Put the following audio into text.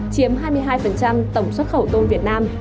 chiếm hai mươi hai tổng xuất khẩu tôm việt nam